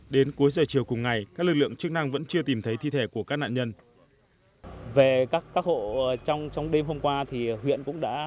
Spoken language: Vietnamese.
đến cuối giờ chiều cùng ngày các lực lượng chức năng vẫn chưa tìm thấy thi thể của các nạn nhân